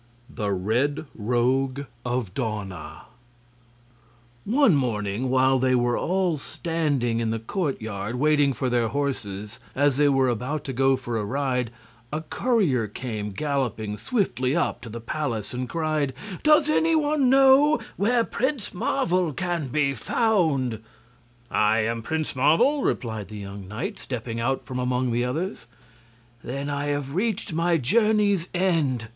The Red Rogue of Dawna One morning, while they were all standing in the courtyard waiting for their horses, as they were about to go for a ride, a courier came galloping swiftly up to the palace and cried: "Does any one know where Prince Marvel can be found?" "I am Prince Marvel," replied the young knight, stepping out from among the others. "Then have I reached my journey's end!"